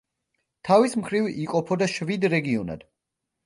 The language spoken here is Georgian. თავის მხრივ იყოფოდა შვიდ რეგიონად.